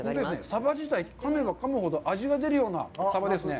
サバ自体、かめばかむほど味が出るようなサバですね。